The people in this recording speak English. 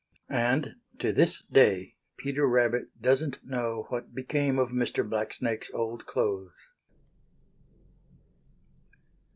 And to this day Peter Rabbit doesn't know what became of Mr. Blacksnake's old clothes.